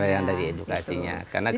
bagian dari edukasinya